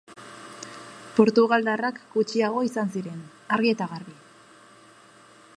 Portugaldarrak gutxiago izan ziren, argi eta garbi.